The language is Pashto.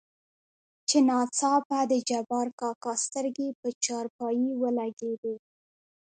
چې ناڅاپه دجبارکاکا سترګې په چارپايي ولګېدې.